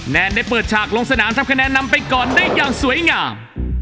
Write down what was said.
แนนได้เปิดฉากลงสนามทำคะแนนนำไปก่อนได้อย่างสวยงาม